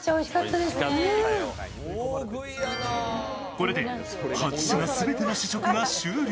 これで８品全ての試食が終了。